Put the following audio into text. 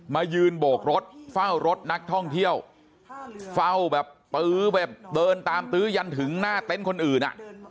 มายืนโบกรถเฝ้ารถนักท่องเที่ยวเฝ้าแบบตื้อแบบเดินตามตื้อยันถึงหน้าเต็นต์คนอื่นอ่ะ